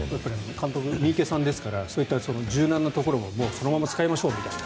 監督、三池さんですから柔軟なところもそのまま使いましょうみたいな。